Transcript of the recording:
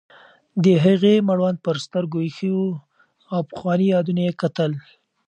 د هغې مړوند پر سترګو ایښی و او پخواني یادونه یې کتل.